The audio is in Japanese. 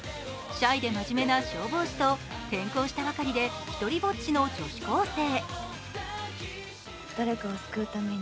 シャイで真面目な消防士と転校したばかりで独りぼっちの女子高生。